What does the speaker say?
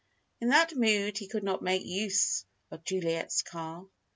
In that mood, he could not make use of Juliet's car.